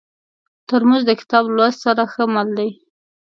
ترموز د کتاب لوست سره ښه مل دی.